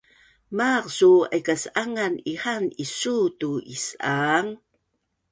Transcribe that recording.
Maaq suu aikas’angan ihaan isuu tu is’aang?